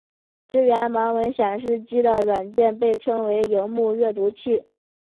支援盲文显示机的软件被称为萤幕阅读器。